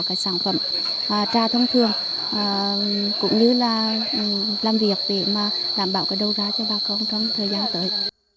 các sản phẩm trà thông thường cũng như là làm việc để mà đảm bảo cái đầu ra cho bà con trong thời gian tới